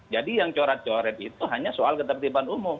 jadi yang coret coret itu hanya soal ketertiban umum